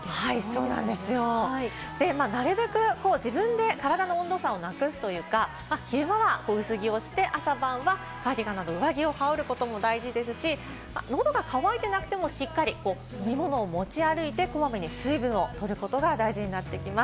そうなんですよ、なるべく自分で体の温度差をなくすというか、昼間は薄着をして、朝晩はカーディガンなど上着を羽織ることも大事ですし、のどが渇いてなくてもしっかり飲み物を持ち歩いて、こまめに水分をとることが大事になってきます。